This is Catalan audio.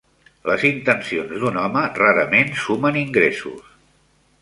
Les intencions d'un home rarament sumen ingressos.